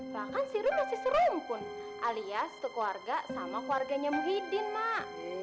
bahkan serum masih serum pun alias keluarga sama keluarganya muhyiddin mak